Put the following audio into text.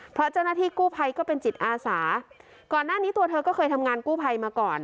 เพราะเจ้าหน้าที่กู้ภัยก็เป็นจิตอาสาก่อนหน้านี้ตัวเธอก็เคยทำงานกู้ภัยมาก่อน